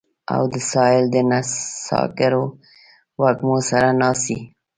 او د ساحل د نڅاګرو وږمو سره ناڅي